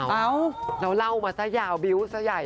แล้วเรามาซะยาวบิ๊วซะใหญ่